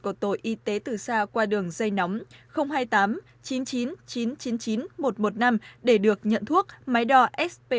của tội y tế từ xa qua đường dây nóng hai mươi tám chín mươi chín chín trăm chín mươi chín một trăm một mươi năm để được nhận thuốc máy đo sp